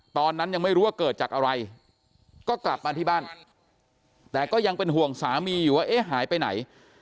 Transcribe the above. ตอนนั้นยังไม่รู้ว่าเกิดจากอะไรก็กลับมาที่บ้านแต่ก็ยังเป็นห่วงสามีอยู่ว่าเอ๊ะหายไปไหน